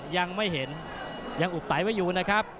ยังไม่เห็นยังอุบไตไว้อยู่นะครับ